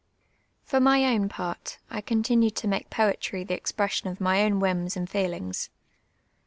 For my own part. I continued to make poetry the expression of mv own whims and feelinj^s.